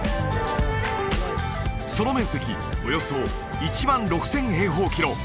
その面積およそ１万６０００平方キロ